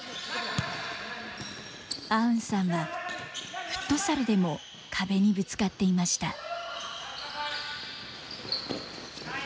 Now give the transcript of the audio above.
アウンさんはフットサルでも壁にぶつかっていました。